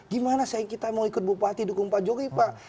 gimana saya kita mau ikut bupati dukung pak jokowi pak